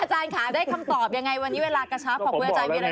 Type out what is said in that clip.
อาจารย์ถามได้คำตอบอย่างไรวันนี้เวลากันครับ